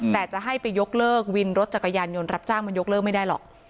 แต่จะให้ไปยกเลิกวินรถจักรยานยนต์รับจ้างมันยกเลิกไม่ได้หรอก